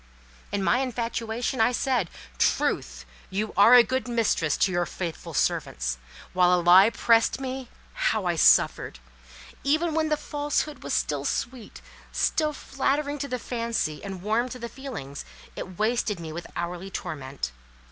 In my infatuation, I said, "Truth, you are a good mistress to your faithful servants! While a Lie pressed me, how I suffered! Even when the Falsehood was still sweet, still flattering to the fancy, and warm to the feelings, it wasted me with hourly torment.